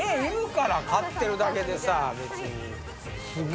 言うから買ってるだけでさ。